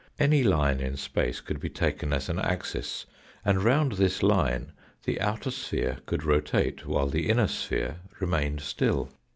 Any line in space could be taken as an axis, and round this line the outer sphere could rotate, while the inner sphere remained still.